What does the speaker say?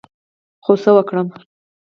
خو څه وکړم،